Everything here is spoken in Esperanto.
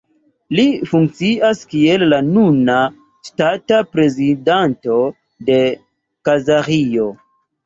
Li funkcias kiel la nuna ŝtata prezidanto de Kazaĥio.